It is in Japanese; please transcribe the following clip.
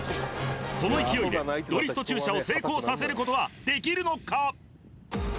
その勢いでドリフト駐車を成功させることはできるのか？